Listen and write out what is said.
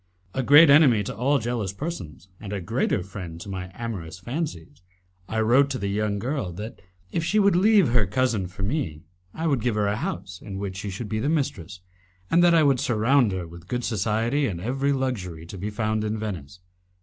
A great enemy to all jealous persons, and a greater friend to my amorous fancies, I wrote to the young girl that, if she would leave her cousin for me, I would give her a house in which she should be the mistress, and that I would surround her with good society and with every luxury to be found in Venice.